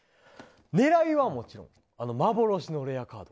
狙いは、もちろんあの幻のレアカード。